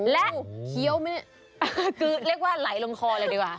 และคือเรียกว่าไหลลงคอเลยดีกว่า